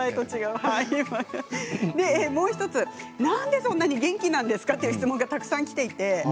もう１つなんでそんなに元気なんですか？という人もたくさんきています。